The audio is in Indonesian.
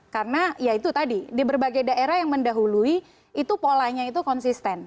karena ya itu tadi di berbagai daerah yang mendahului itu polanya itu konsisten